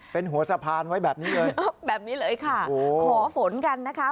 เป็นหัวสะพานไว้แบบนี้เลยแบบนี้เลยค่ะขอฝนกันนะคะ